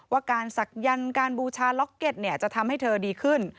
ว่าการศักยันต์การบูชาล็อกเก็ตจะทำให้เธอดีขึ้น